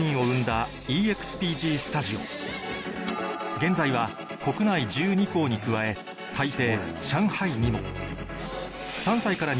現在は国内１２校に加え台北